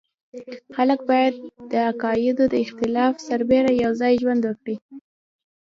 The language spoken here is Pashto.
خلک باید د عقایدو د اختلاف سربېره یو ځای ژوند وکړي.